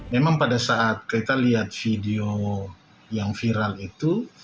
memang pada saat kita lihat video yang viral itu